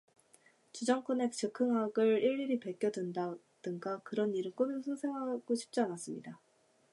주정꾼의 즉흥악을 일일이 베껴 둔다든가 그런 일은 꿈에도 생각하지 않았습니다.